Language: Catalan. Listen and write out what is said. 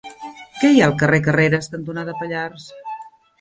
Què hi ha al carrer Carreras cantonada Pallars?